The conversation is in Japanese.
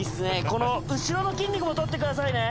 この後ろの筋肉も撮ってくださいね